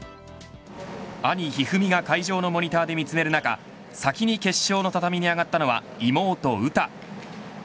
兄、一二三が会場のモニターで見詰める中先に決勝の畳に上がったのは妹、詩。